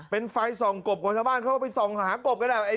เป็นไฟส่องกบของชาวบ้านเขาก็ไปส่องหากบก็ได้